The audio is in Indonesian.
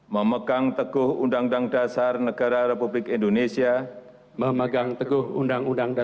memegang teguh undang undang dasar negara republik indonesia